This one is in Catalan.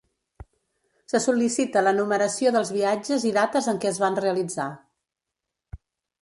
Se sol·licita l’enumeració dels viatges i dates en què es van realitzar.